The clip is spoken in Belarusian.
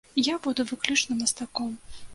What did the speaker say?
Я буду выключна мастаком.